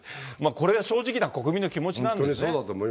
これが正直な国民の気持ちなんでしょうね。